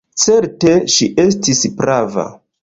Certe, ŝi estis prava.